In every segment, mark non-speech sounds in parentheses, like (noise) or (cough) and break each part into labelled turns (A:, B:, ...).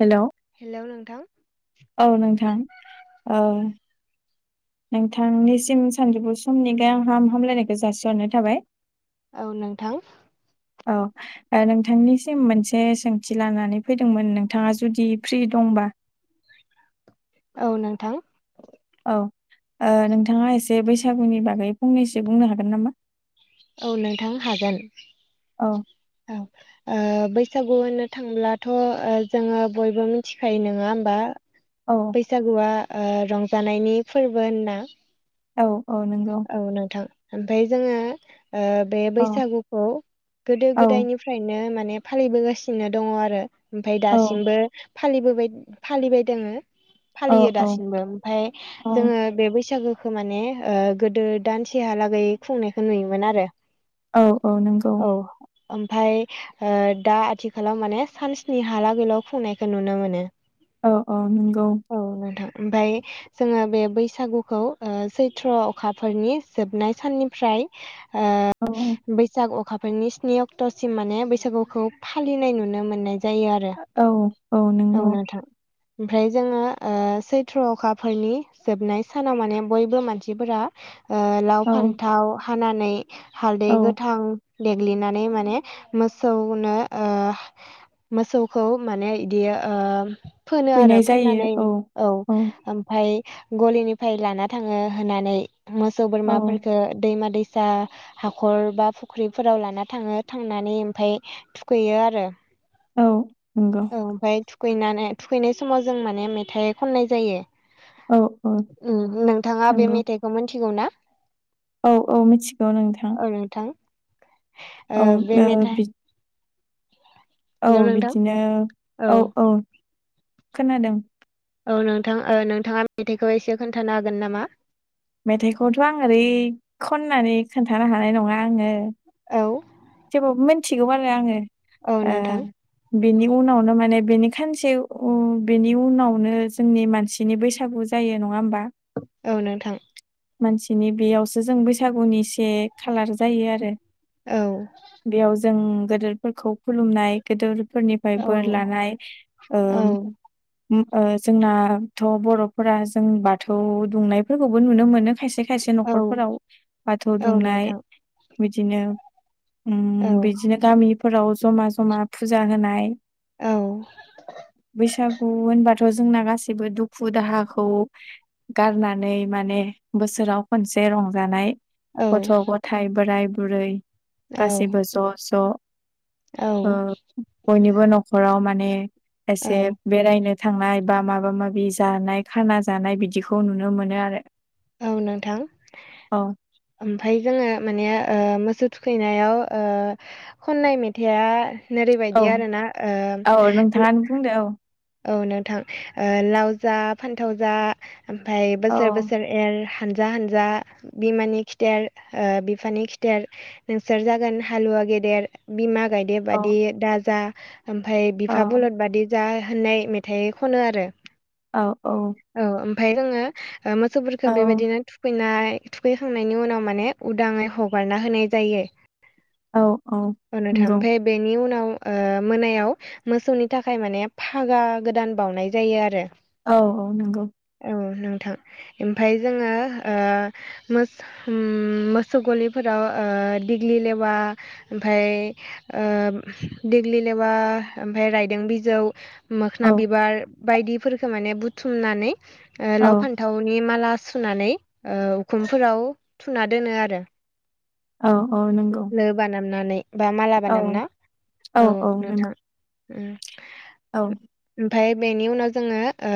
A: Hello
B: hello नोंथां
A: औ नोंथां औ नोंथांनिसिम सानजौफु समनि गाहाम हाम हामलायनायखौ जासिहरनाय थाबाय
B: औ नोंथां
A: औ नोंथांनिसिम मोनसे सोंथि लानानै फैदोंमोन नोंथाङा जुदि फ्रि दंबा
B: औ नोंथां
A: औ ओ नोंथाङा एसे बैसागुनि बागै फंनैसो बुंनो हागोन नामा
B: औ नोंथां हागोन
A: औ
B: औ
A: (inaudible)
B: ओ बैसागु होनो थांब्लाथ' जोङो बयबो मिथिखायो नङा होमबा
A: औ
B: बैसागुआ रंजानायनि फोरबो होनना
A: औ औ नोंगौ
B: औ नोंथां ओमफ्राय जोङो बे
A: औ
B: बैसागुखौ गोदो
A: औ
B: गोदायनि फ्रायनो माने फालिबोगासिनो दङ आरो ओमफ्राय
A: औ
B: दासिमबो फालिबोबाय फालिबाय दङो फालियो
A: औ
B: दासिमबो
A: औ
B: ओमफफ्राय जोङो बे बैसागोखौ माने गोदो दानसेहालागै खुंनायखौ नुयोमोन आरो
A: औ औ नंगौ
B: औ ओमफाय दा आथिखालाव माने सान्सनि हालागै ल खुंनायखौ नुनो मोनो
A: औ औ नोंगौ
B: औ नोंथां ओमफाय जोङो बे बैसागुखौ सैथ्र अखाफोरनि जोबनाय साननिफ्राय
A: औ
B: बैसाग अखाफोर फोरनि स्नि अक्ट'सिम माने बैसागुखौ फालिनाय नुनो मोननाय। जायो आरो
A: औ
B: औ
A: नंगौ
B: नोंथां। ओमफ्राय जोङो सैथ्र अखाफोरनि जोबनाय सानाव माने बयबो मानसिफोरा। लाव
A: औ
B: फान्थाव हानानै हालदै
A: औ
B: गोथां। देग्लिनानै माने मोसौनो ओ मोसौखौ माने बिदि फोनो आरो
A: थुखैनाय जायो
B: फोननानै औ ओमफ्रायो गलिनिफ्राय लाना थाङो होननानै मोसौ
A: औ
B: बोरमाफोरखो दैमा- दैसा जा हाखर बा फुख्रिफोराव लाना थाङो थांनानै ओमफ्राय थुखैयो आरो।
A: औ नंगौ।
B: ओमफ्राय थुखैनानै थुखैनाय समाव जों माने मेथाइ खननाय जायो।
A: औ औ
B: ओम नोंथांङा बे
A: नंगौ
B: मेथाइखौ मिथिगौ ना?
A: औ औ मिथिगौ नोंथां
B: औ नोंथां
A: औ
B: बे
A: ओ
B: मेथाइ
A: बि औ
B: हेलौ नोंथां
A: बिदिनो औ औ खोनादों।
B: औ नोंथां नोंथांङा मेथाइखौ एसे खोन्थानो हागोन नामा?
A: मेथाइखौथ' आं ओरै खननानै खोन्थानो हानाय नंङा आंङो।
B: औ
A: थेवबाबो मिथिगौ आंङो
B: औ
A: ओ
B: नोंथां
A: बेनि उनावनो माने बेनि खानसे बेनि उनावनो जोंनि मानसिनि बैसागुख जायो नंङा होमबा?
B: औ नों
A: मानसिनि बेयावसो जों बैसागुनि से खालार जायो आरो।
B: औ।
A: बेयाव जों गदोरफोरखौ खुलुमनाय गोदोरफोरनिफ्राय ओमफाय
B: औ
A: बोर लानाय
B: औ
A: जोंनाथ' बर'फोरा जों बाथौ दुमनाया फोरखौबो नुनो मोनो खायसे खायसे
B: औ
A: न'खरफोराव बाथौ
B: औ
A: दुमनाय
B: नोंथां
A: बिदिनो ओ
B: औ
A: ओम बिदिनो गामिफोराव जमा जमा फुजा होनाय। बैसागु होनबा थ' जोंना गासिबो दुखु दाहाखौ गारनानै माने बोसोराव खनसे रंजानाय
B: औ
A: गथ' गथायाइ बोराय-बुरै गासैबो ज' ज'
B: औ
A: बयनिबो न'खराव माने
B: औ
A: एसे बेरायनो थांनाय बा माबा माबि जानाय खाना जानाय बिदिखौ नुनो मोनो आरो।
B: औ नोंथां।
A: औ
B: ओमफ्राय जोंङो माने मोसौ थुखैनायाव खननाय मेथाइआ ओरैबादि
A: औ
B: आरो ना?
A: औ नोंथाङानो बुंदो औ।
B: औ नोंथां लाव जा फान्थाव जा ओमफाय बोसोर
A: औ
B: बोसोर ए एर हानजा हानजा बिमानि खिथेर बिफानि खिथेर। नोंसोर जागोन हालुवा गेदेर। बिमा गायदे
A: औ
B: बादि दा जा ओमफफ्राय
A: औ
B: बिफा बलद बादि जा होननाय मेथाइ खनो आरो।
A: औ औ।
B: औ ओमफफ्राय जोङो मोसौफोरखौ
A: औ
B: बेबादिनो थुखैनाय थुखैखांनायनि उनाव माने उदांङै हगारना होनाय जायो।
A: औ
B: औ
A: नंगौ
B: नोंथां बेनि उनाव मोनायाव मोसौनि थाखाय माने फागा गोदान बावनाय जायो आरो।
A: औ औ नंगौ।
B: औ नोंथां ओमफाय जोंङो मोसौ। उम मोसौ गलिफोराव ओ दिग्लि लेवा ओमफाय ओ दिग्लि लेवा ओमफाय रायदों बिजौ मोखोना
A: औ
B: बिबार बायदिफोरखो माने बुथुमनानै ओ
A: औ
B: लाव फान थावनि माला सुनानै ओ उखुमफोराव थुना दोनो आरो।
A: अ अ नंगौ
B: लो बानामनानै बा माला
A: औ
B: बानामना औ नोंथां उम
A: औ
B: ओमफाय बेनि उनाव जोंङो ओ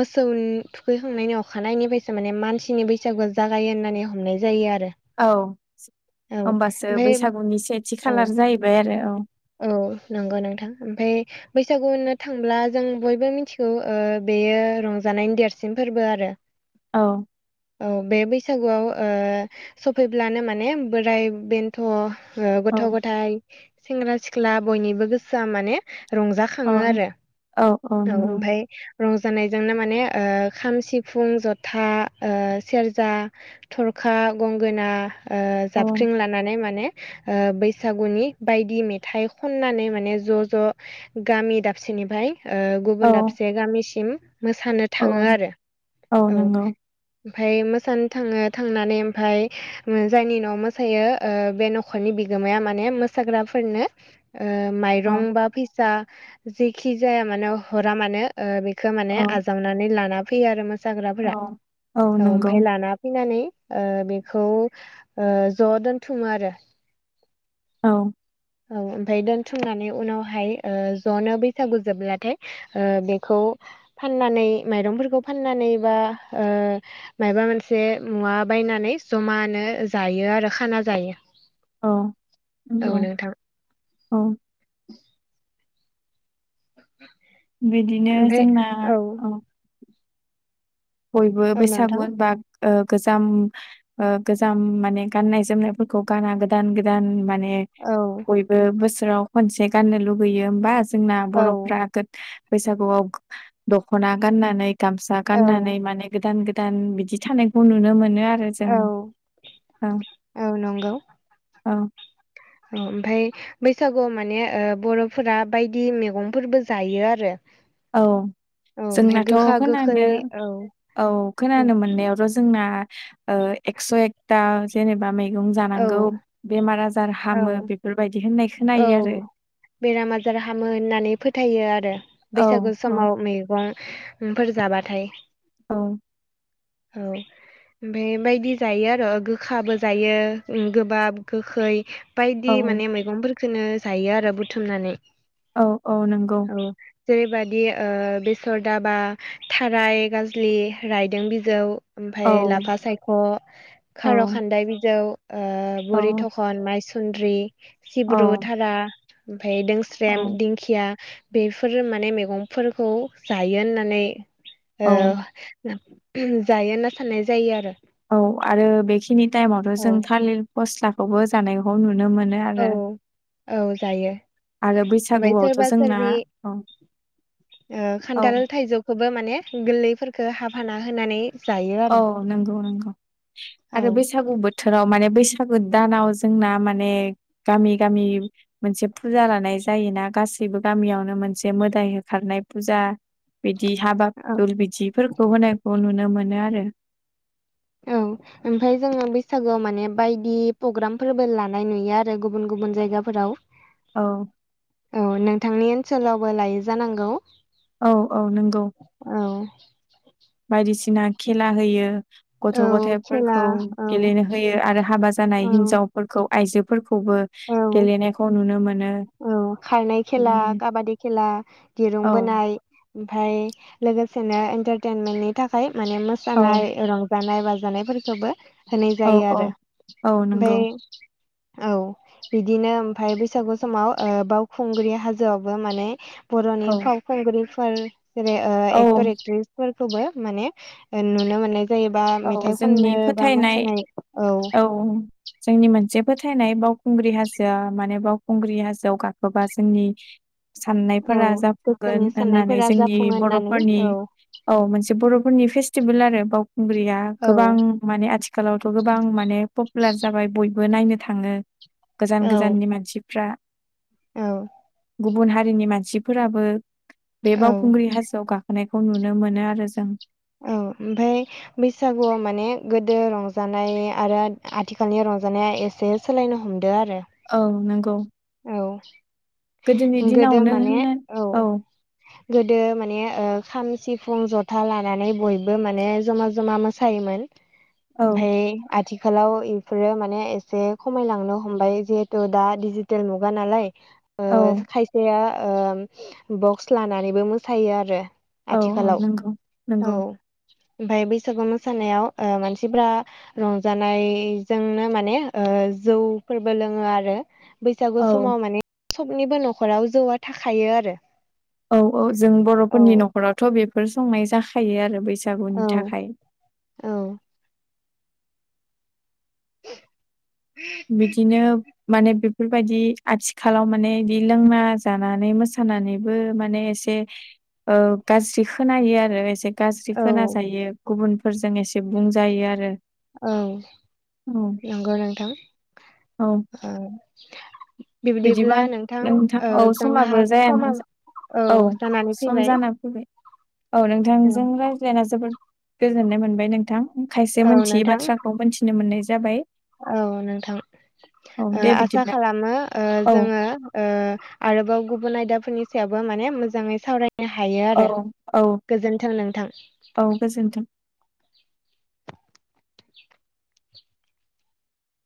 B: मोसौनि थुखैखांनायनि अखानायनि फायसो माने मानसिनि बैसागु जागायो होननानै हमनाय जायो आरो।
A: औ
B: औ
A: ओमबासो
B: ओमफाय
A: बैसागुनि से थि
B: औ
A: खालार जाहैबाय आरो औ
B: औ नंगौ नोंथां ओमफाय बैसागु होननो थांब्ला जों बयबो मिथिगौ ओ बेयो रंजानायनि देरसिन फोरबो आरो।
A: औ
B: औ बे बैसागुआव ओ सफैब्लानो माने बोराय बेन्थ' ओ गथ'
A: औ
B: गथाइ सेंग्रा सिख्ला बयनिबो गोसोआ माने रंजा
A: औ
B: खाङो आरो
A: औ
B: औ
A: नंगौ
B: ओमफाय रंजानायजोंनो माने ओ खाम सिफुं जथा ओ सेर्जा थरखा गंगोना ओ
A: औ
B: जाबख्रिं लानानै माने ओ बैसागुनि बायदि मेथाइ खननानै माने ज' ज' गामि दाबसेनिफ्राय
A: औ
B: गुबुन दाबसे गामिसिम मोसानो
A: औ
B: थाङो आरो औ ओमफाय मोसानो थाङो थांनानै ओमफाय जायनि न'वाव मोसायो ओ बे न खरनि बिगोमाया माने मोसाग्राफोरनो ओ
A: औ
B: माइरं बा फैसा जेखि जाया मानोे हरा मानो ओ बेखो माने
A: औ
B: आजावनानै लाना फैयो आरो मो साग्राफोरा
A: औ
B: औ ओमफाय लाना फैनानै ओ बेखौ ओ ज' दोनथुमो आरो।
A: औ
B: औ ओमफ्राय दोनथुमनानै उनावहाय ओ ज'नो बैसागु जोबब्लाथाय ओ बेखौ फाननानै माइरंफोरखौ फाननानै बा ओ मायबा मोनसे मुवा बायनानै जमानो जायो आरो खाना जायो।
A: अ
B: औ
A: नंगौ
B: नोंथां
A: औ
B: (inaudible)
A: बिदिनो
B: ओमफ्राय
A: जोंना
B: औ
A: औ बयबो
B: औ
A: बैसागु
B: नोंथां
A: होनबा ओ गोजाम ओ गोजाम माने गाननाय जोमनायफोरखौ गाना गोदान गोदान माने माने
B: औ
A: बयबो बोसोराव खनसे गाननो लुुबैयो ओमबा जोंना
B: औ
A: बर'फ्रा गोत बैसागुआव दखना गाननानै गामसा
B: औ
A: गाननानै माने गोदान गोदान बिदि थानायखौ नुनो मोनो आरो। जों
B: औ
A: औ
B: औ
A: औ
B: ओ ओमफाय बैसागुआव माने ओ बर'फोरा बायदि मेगंफोरबो जायो आरो।
A: औ
B: औ ओमफ्राय
A: जोंनाथ'
B: गोखा गोखै
A: खोनानो
B: औ
A: औ खोनानो मोननायावथ' जोंना ओ एकस' एकथा जेनेबा मैगं
B: औ
A: जानांगौ बेमार आजार
B: औ
A: हामो बे फोरबायदि होननाय खो
B: औ बेराम आजार हामो होननानै फोथायो आरो।
A: औ
B: बैसागु
A: औ
B: समाव मैगंफोर जाबाथाय
A: औ
B: औ ओमफाय बायदि जायो आरो गोखाबो जायो ओं गोबाब गोखै
A: औ
B: बायदि माने मैगंफोरखोनो जायो आरो बुथुमनानै।
A: औ औ नंगौ
B: औ जेरैबादि ओ बेसर दाबा थाराय गाजलि रायदों बिजौ
A: औ
B: ओमफाय लाफा सायख'
A: औ
B: खार' खान्दाय बिजौ ओ
A: औ
B: बुरि थख न माइसन्द्रि सिब्रु थारा ओमफाय
A: औ
B: दोंस्रेम दिं खिया बेफोर माने मैगंफोरखौ जायो होननानै ओ
A: औ
B: जायो होना साननाय जायो आरो।
A: औ आरो बेखिनि टाइमवथ'
B: औ
A: जों थालिर फस्लाखौबो जानायखौ नुनो मोनो। आरो
B: औ जायो
A: आरो
B: ओमफ्राय
A: बैसागुआवथ'
B: सोरबा
A: जोंना
B: सोरबि
A: औ
B: ओ
A: औ
B: खान्थाल थाइजौखौबो माने गोरलैफोरखौ हाफाना होनानै जायो
A: औ
B: आरो
A: नंगौ नंगौ
B: औ
A: आरो बैसागु बो थोराव माने बैसागु दानाव जोंना माने गामि गामि मोनसे फुजा लानाय जायोना गासैबो गामियावनो मोनसे मोदाय होखारनाय फुजा। बिदि हाबा
B: औ
A: दुल बिथिफोरखौ होनायखौ नुनो मोनो आरो।
B: औ ओमफ्राय जोङो बैसागोआव माने बायदि प्रग्रामफोरबो लानाय नुयो आरो गुबुन गुबुन जायगाफोराव।
A: औ
B: औ नोंथांनि ओनसोलावबो लायो जानांगौ?
A: औ औ नंगौ।
B: औ
A: बायदिसिना खेला होयो। गथ'
B: औ खेला
A: गथाइफोरखौ
B: औ
A: गेलेनो होयो आरो हाबा
B: औ
A: जानाय हिन्जाव फोरखौ आइजोफोरखौबो
B: औ
A: गेलेनायखौ नुनो मोनो।
B: औ खारनाय खेला काबादि खेला
A: औ
B: दिरुंबोनाय। ओमफाय लोगोसेनो एन्टारटेनमेन्टनि थाखाय माने
A: औ
B: मोसानाय रंजा जानाय बाजानायफोरखौबो होनाय
A: औ
B: जायो
A: औ
B: आरो
A: औ नंगौ
B: ओमफाय औ बिदिनो ओमफ्राय बैसागु समाव ओ बावखुंग्रि हाजोआवबो माने बर'नि
A: औ
B: फाव खुंगुगिफोर जेरै ओ
A: औ
B: एक्टर एक्ट्रिसफोरखौबो माने ओ नुनो मोननाय जायोबा
A: औ
B: मेथाइ
A: जोंनि
B: खननो बा
A: फोथायनाय
B: मोसानाय औ
A: औ जोंनि मोनसे फोथायनाय बावखुंग्रि हाजोआ माने बावखुंग्रि हाजोआव गाखोबा जोंनि
B: औ
A: साननायफोरा जाफुंगोन
B: गोसोनि
A: होननानै
B: साननायफोरा
A: जोंनि
B: जाफुङो होननानै
A: बर'फोरनि
B: औ
A: औ मोनसे बर'फोरनि फेस्टिभोल आरो बावखुंग्रिया
B: औ
A: गोबां माने आथिखालावथ' गोबां माने पपुलार जाबाय बयबो नायनो थाङो। गोजान
B: औ
A: गोजाननि मानसिफ्रा
B: औ
A: गुबुन हारिनि मानसिफोराबो बे
B: औ
A: बावखुंग्रि हाजोआव गा खोनायखो नुनो मोनो आरो जों।
B: औ ओमफाय बैसागुआव माने गोदो रंजानाय आरो आथिखालनि रंजानाया ए से सोलायनो हमदो आरो।
A: औ नंगौ।
B: औ
A: गोदोनि
B: गोदो
A: दिनावनो
B: माने
A: होनना
B: औ गोदो माने ओ खाम सिफुं जथा लानानै बयबो माने जमा जमा मोसायोमोन।
A: (inaudible)
B: ओमफाय आथि आथिखालाव इफोरो माने एसे खमायलांनो हमबाय जिहेथु दा डिजिटेल मुगा नालाय। ओ
A: औ
B: खायसेया ओ बक्स लानानैबो मोसायो आरो।
A: औ
B: आथिखालाव
A: नंगौ
B: औ
A: नंगौ
B: ओमफ्राय बैसागु मोसानायाव ओ मानसिफ्रा रंजानायजोंनो माने ओ जौफोरबो लोङो आरो। बैसागु
A: औ
B: समाव माने सबनिबो नखराव जौआ थाखायो आरो
A: औ औ जों
B: औ
A: बर'फोरनि नखरावथ बेफोर संनाय जाखायो आरो
B: औ
A: बैसागुनि थाखाय
B: औ
A: बिदिनो माने बे फोरबायदि आथिखालाव माने इदि लोंना जानानै मोसानानैबो माने एसे ओ गाज्रि खोनायो आरो एसे गाज्रि
B: औ
A: खोनाजायो गुबुनफोरजों एसे बुंजायो आरो
B: औ
A: औ
B: नंगौ नोंथां
A: औ
B: ओ
A: बिदिबा
B: बिबदिब्ला नोंथां ओ
A: औ समाबो
B: जोंहा
A: जायाना
B: समा औ जानानै
A: सम
B: फैबाय
A: जाना फैबाय औ
B: औ
A: नोंथांजों रायज्लायना जोबोद गोजोननाय मोनबाय नोंथां खायसे
B: औ
A: मिथियै
B: नोंथां
A: बाथ्राखौ मोनथि नो मोननाय जाबाय
B: औ नोंथां
A: औ
B: ओ
A: दे
B: आसा
A: बिदिब्ला
B: खालामो ओ
A: औ
B: जोङो ओ आरोबाव गुबुन आयदाफोरनि सायावबो माने मोजाङै सावराय
A: औ औ
B: नोंथां।
A: औ गोजोन्थों